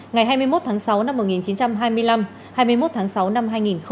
ngày hai mươi một tháng sáu năm một nghìn chín trăm hai mươi năm hai mươi một tháng sáu năm hai nghìn hai mươi